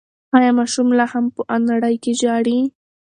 ایا ماشوم لا هم په انړۍ کې ژاړي؟